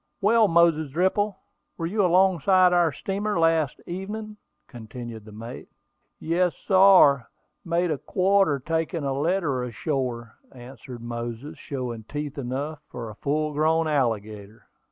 "Well, Moses Dripple, were you alongside our steamer last evening?" continued the mate. "Yes, sar; made a quarter taking a letter ashore," answered Moses, showing teeth enough for a full grown alligator.